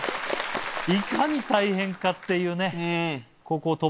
いかに大変かっていうね。